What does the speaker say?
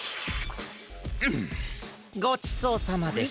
うんごちそうさまでした。